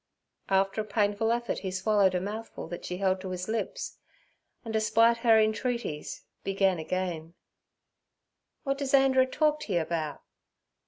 After a painful effort he swallowed a mouthful that she held to his lips, and, despite her entreaties, began again: 'W'at does Anderer tork t' yer about?'